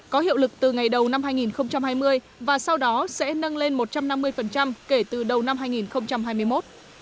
có hiệu lực từ ngày đầu năm hai nghìn hai mươi và sau đó sẽ nâng lên một trăm năm mươi kể từ đầu năm hai nghìn hai mươi một